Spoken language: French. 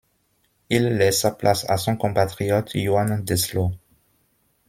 Il laisse sa place à son compatriote Yoann Deslot.